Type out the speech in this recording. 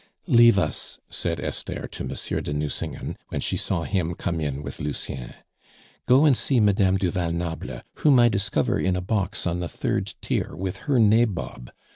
"Leave us," said Esther to Monsieur de Nucingen, when she saw him come in with Lucien. "Go and see Madame du Val Noble, whom I discover in a box on the third tier with her nabob.